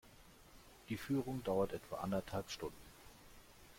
Die Führung dauert etwa anderthalb Stunden.